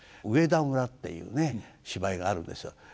「上田村」っていうね芝居があるんですよ。